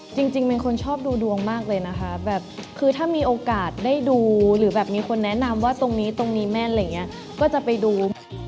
จริงเป็นคนชอบดูดวงมากเลยนะคะแบบคือถ้ามีโอกาสได้ดูหรือแบบมีคนแนะนำว่าตรงนี้ตรงนี้แม่นอะไรอย่างนี้ก็จะไปดู